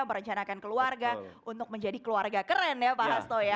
merencanakan keluarga untuk menjadi keluarga keren ya pak hasto ya